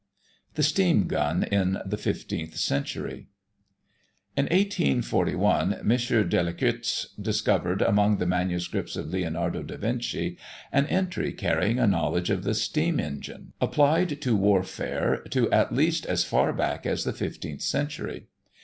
THE STEAM GUN IN THE FIFTEENTH CENTURY. In 1841, M. Delectuze discovered, among the manuscripts of Leonardo da Vinci, an entry carrying a knowledge of the steam engine, applied to warfare, to at least as far back as the fifteenth century.